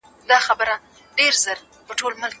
قضایي قوه په خپلو پریکړو کي خپلواکه وه.